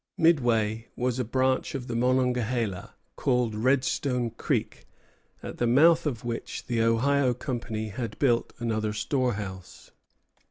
Midway was a branch of the Monongahela called Redstone Creek, at the mouth of which the Ohio Company had built another storehouse.